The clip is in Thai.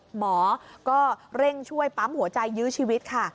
หมอก็เร่งช่วยปั๊มหัวใจยื้อชีวิตค่ะ